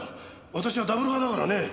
私はダブル派だからねえ。